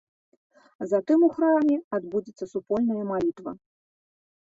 Затым у храме адбудзецца супольная малітва.